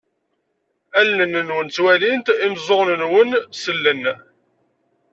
Allen-nwen ttwalint, imeẓẓuɣen-nwen sellen.